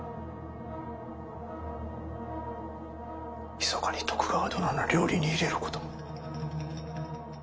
ひそかに徳川殿の料理に入れることも。